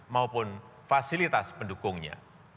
maupun fasilitas pendukungnya